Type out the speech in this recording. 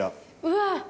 うわ！